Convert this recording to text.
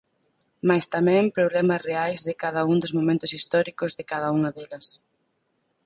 Mais tamén problemas reais de cada un dos momentos históricos de cada unha delas.